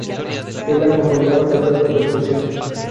Él acompañaba tocando percusión.